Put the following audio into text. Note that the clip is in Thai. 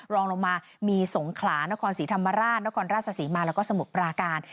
รองลงมามีสงขลานครศรีธรรมราชนครราชศรีมาแล้วก็สมุทรปราการ